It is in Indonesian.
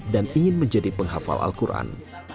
dan ingin menjadi penghafal al quran